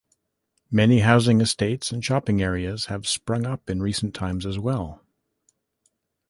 Many housing estates and shopping areas have sprung up in recent times as well.